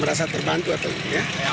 merasa terbantu atau tidak